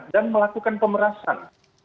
dan melakukan pemerasan